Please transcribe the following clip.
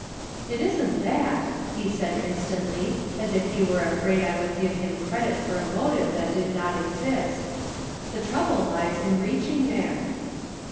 " It isn't that," he said, instantly, as if he were afraid I would give him credit for a motive that did not exist. " The trouble lies in reaching there."